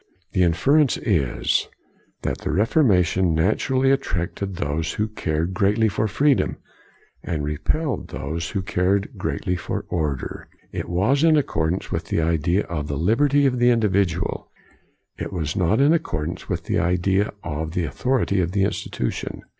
The inference is that the Reformation naturally attracted those who cared greatly for free dom, and repelled those who cared greatly for order. It was in accordance with the idea of the liberty of the individual; it was not in accordance with the idea of the authority of the institution.